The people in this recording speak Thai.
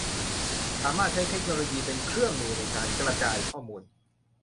สามารถใช้เทคโนโลยีเป็นเครื่องมือในการกระจายข้อมูล